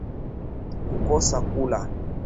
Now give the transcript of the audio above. Kukosa kula